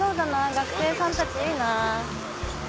学生さんたちいいなぁ。